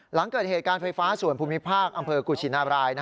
หลังเกิดเหตุการไฟฟ้าส่วนภูมิภาคอำเภอกุชินาบราย